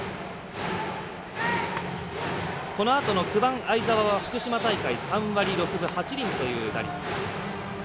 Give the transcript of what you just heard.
このあとの９番、相澤は福島大会３割６分８厘という打率。